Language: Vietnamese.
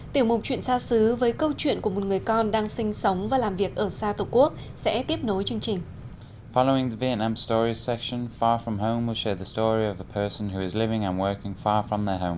tiểu mục chuyện xa xứ với câu chuyện của một người con đang sinh sống và làm việc ở xa tổ quốc sẽ tiếp nối chương trình